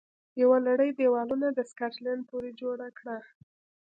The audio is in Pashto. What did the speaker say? یوه لړۍ دېوالونه د سکاټلند پورې جوړه کړه